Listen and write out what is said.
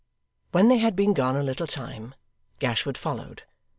When they had been gone a little time, Gashford followed.